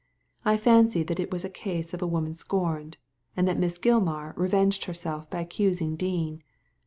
I fancy that it was a case of a woman scorned, and that Miss Gilmar revenged herself by accusing Dean.